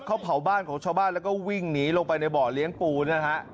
เขาเผาบ้านของชาวบ้านแล้วก็วิ่งหนีลงไปในบ่อเลี้ยงปูนะฮะ